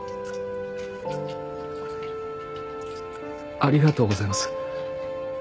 ありがとうございます。